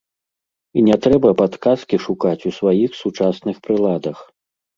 І не трэба падказкі шукаць у сваіх сучасных прыладах!